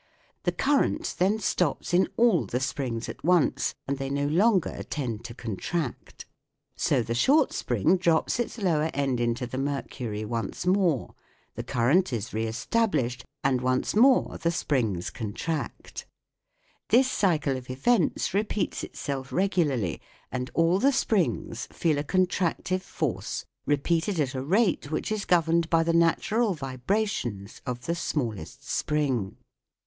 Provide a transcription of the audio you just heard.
The cur rent then stops in all the springs at once, and they no longer tend to contract. So the short spring drops its lower end into the mercury once more, the current is re established, and once more the springs contract. This cycle of events repeats itself regularly, and all the springs feel a contractive force repeated at a rate which is governed by the natural vibrations of the smallest spring.